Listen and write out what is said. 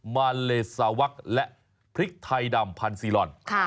มาเลซาวักและพริกไทยดำพันซีลอน